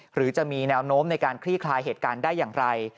หรือจะมีแนวโน้มในการคลี่คลายเหตุการณ์ได้อย่างไร